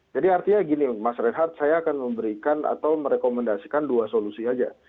jadi artinya gini mas red heart saya akan memberikan atau merekomendasikan dua solusi saja